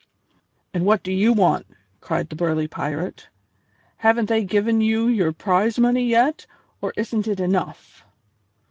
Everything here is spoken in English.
"And what do you want?" cried the burly pirate. "Haven't they given you your prize money yet, or isn't it enough?"